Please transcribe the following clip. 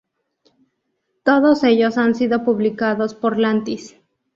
Todos ellos han sido publicados por Lantis.